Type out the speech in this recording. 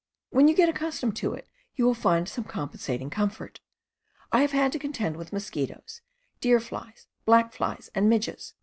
. When you get accustomed to it you will find some compensating comfort ... I have had to contend with mosquitoes, deer flies, black flies, and midges